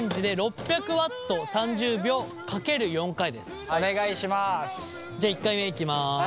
じゃあ１回目いきます。